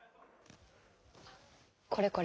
これこれ。